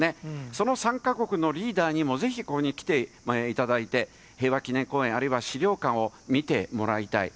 その３か国のリーダーにも、ぜひここに来ていただいて、平和記念公園、あるいは資料館を見てもらいたい。